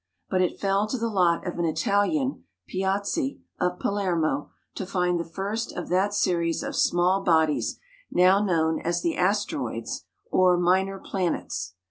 But it fell to the lot of an Italian, Piazzi, of Palermo, to find the first of that series of small bodies now known as the asteroids or minor planets.